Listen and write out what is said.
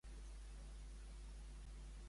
Pots seguir amb la reproducció d'"Ara o mai"?